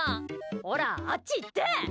ほら、あっち行って！